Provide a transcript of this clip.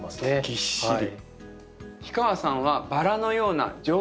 ぎっしり。